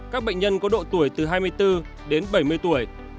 các bệnh nhân có độ tuổi từ hai mươi bốn đến bảy mươi tuổi